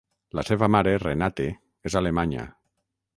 La seva mare, Renate, és alemanya.